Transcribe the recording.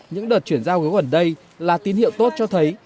những đợt chuyển giao gố gần đây là tín hiệu tốt cho thấy